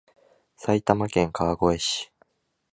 埼玉県川越市